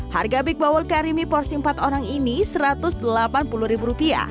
harga big baul karimi porsi empat orang ini rp satu ratus delapan puluh